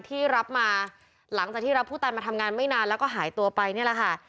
ที่รับมาหลังจากที่รับผู้ตายมาทำงานไม่นานแล้วก็หายตัวไปนี่แหละค่ะ